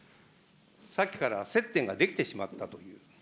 さっきから接点ができてしまったと。